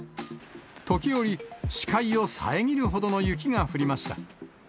時折、視界を遮るほどの雪が降りました。